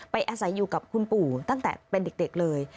อาศัยอยู่กับคุณปู่ตั้งแต่เป็นเด็กเลย